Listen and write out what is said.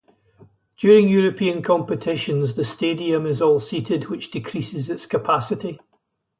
During European competitions, the stadium is all-seated, which decreases its capacity.